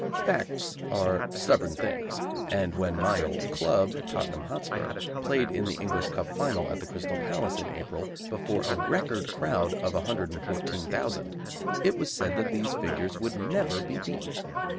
Facts are stubborn things, and when my old club, Tottenham Hotspur, played in the English Cup Final, at the Crystal Palace, in April, before a record crowd of 114,000, it was said that these figures would never be beaten.